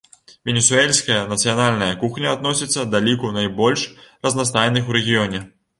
Венесуэльская нацыянальная кухня адносіцца да ліку найбольш разнастайных у рэгіёне.